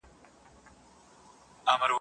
ايا خطر سته؟